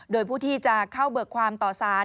โดยผู้ที่จะเข้าเบิกความต่อสาร